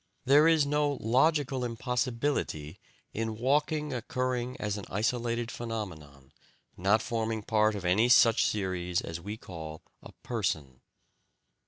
There is no LOGICAL impossibility in walking occurring as an isolated phenomenon, not forming part of any such series as we call a "person."